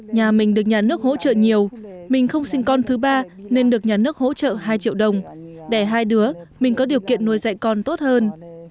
nhà mình được nhà nước hỗ trợ nhiều mình không sinh con thứ ba nên được nhà nước hỗ trợ hai triệu đồng để hai đứa mình có điều kiện nuôi dạy con tốt hơn